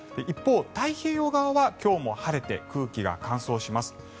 一方、太平洋側は今日も晴れて空気が乾燥します。